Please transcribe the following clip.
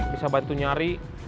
bisa bantu nyari